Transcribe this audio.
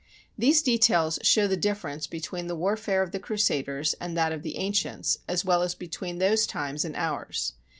These de tails show the difference between the warfare of the Crusaders and that of the ancients, as well as be tween those times and ours.